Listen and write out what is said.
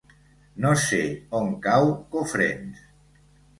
No sé on cau Cofrents.